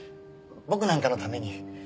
僕なんかのために。